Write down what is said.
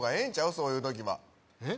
そういう時はえっ？